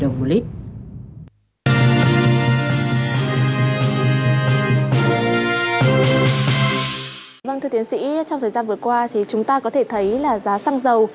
vâng thưa tiến sĩ trong thời gian vừa qua thì chúng ta có thể thấy là giá xăng dầu